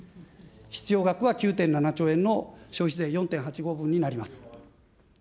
必要額は９．７兆円の消費税４．８５分になります。